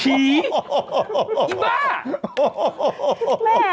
อิฮีอี่บ้า